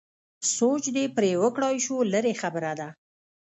سوچ دې پرې وکړای شو لرې خبره ده.